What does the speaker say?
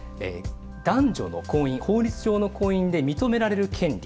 男女の婚姻法律上の婚姻で認められる権利。